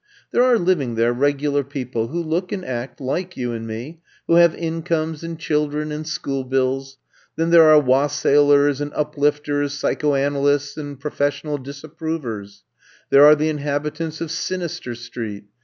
There are living there Regular People, who look and act like you and me, who have incomes and children and school bills. Then there are Wassailers, and Uplifters, Psychoanalysts, and Professional Disap provers. There are the inhabitants of Sin ister Street.